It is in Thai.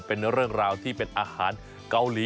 โอ้โหเป็นเรื่องราวที่เป็นอาหารเกาหลีหน่อย